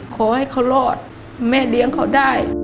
ขอให้เขารอดแม่เลี้ยงเขาได้